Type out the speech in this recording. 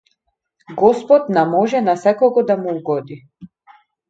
Господ на може на секого да му угоди.